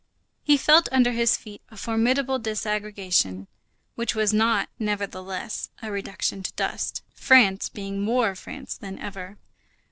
He felt under his feet a formidable disaggregation, which was not, nevertheless, a reduction to dust, France being more France than ever.